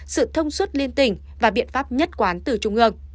sự thông suốt liên tỉnh và biện pháp nhất quán từ trung ương